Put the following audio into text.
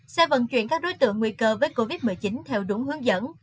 xe vận chuyển các đối tượng nguy cơ với covid một mươi chín theo đúng hướng dẫn